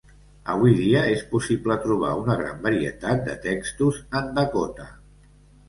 Avui dia, és possible trobar una gran varietat de textos en dakota.